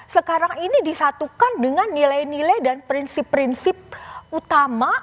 sekarang ini disatukan dengan nilai nilai dan prinsip prinsip utama